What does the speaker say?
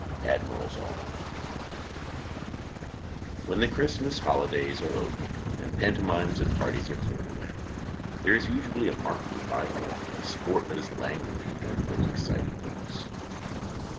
ADMIRALS ALL WHEN the Christmas holidays are over, and pantomimes and parties are cleared away, there is usually a marked revival in a sport that has languished during those exciting weeks.